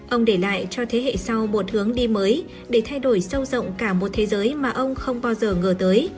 ông để lại cho thế hệ sau một hướng đi mới để thay đổi sâu rộng cả một thế giới mà ông không bao giờ ngờ tới